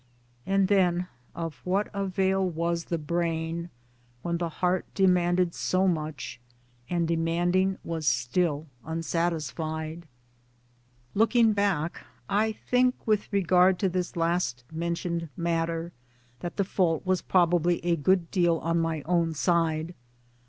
And then of what avail was the brain, when the heart demanded so much, and demanding was still unsatisfied? Looking back, I think with regard to this last mentioned matter, that the fault was probably a good deal on my own side.